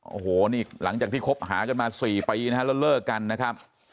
โอ้โหนี่หลังจากที่คบหากันมา๔ปีนะฮะแล้วเลิกกันนะครับ